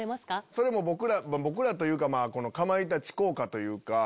それも僕ら僕らというかかまいたち効果というか。